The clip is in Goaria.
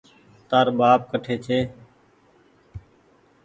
تآر ٻآپ ڪٺي ڇي